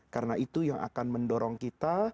karena itu yang akan mendorong kita